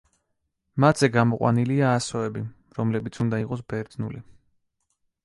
მათზე გამოყვანილია ასოები, რომლებიც უნდა იყოს ბერძნული.